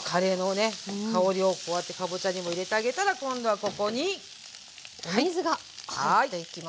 香りをこうやってかぼちゃにも入れてあげたら今度はここに。お水が入っていきます。